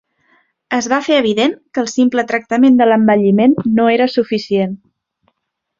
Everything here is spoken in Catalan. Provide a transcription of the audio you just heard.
Es va fer evident que el simple tractament de l'envelliment no era suficient.